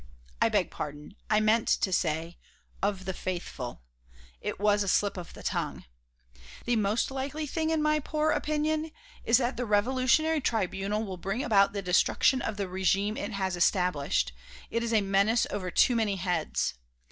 I beg pardon, I meant to say, of 'the Faithful'; it was a slip of the tongue. The most likely thing, in my poor opinion, is that the Revolutionary Tribunal will bring about the destruction of the régime it has established; it is a menace over too many heads.